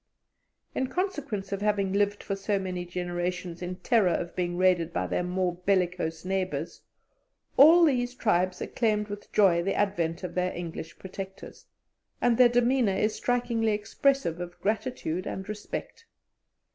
In consequence of having lived for so many generations in terror of being raided by their more bellicose neighbours, all these tribes acclaimed with joy the advent of their English protectors, and their demeanour is strikingly expressive of gratitude and respect.